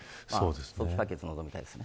早期解決を望みたいです。